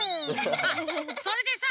あっそれでさ